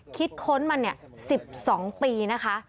คิดค้นมัน๑๒ปีนะคะ